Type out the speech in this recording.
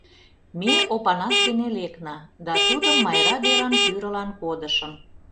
Ме Опанас дене лекна, да тудым Майра деран пӱрылан кодышым.